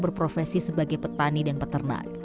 berprofesi sebagai petani dan peternak